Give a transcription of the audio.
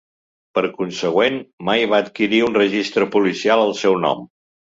Per consegüent, mai va adquirir un registre policial al seu nom.